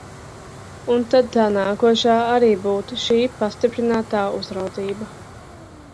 Un tad tā nākošā arī būtu šī pastiprinātā uzraudzība.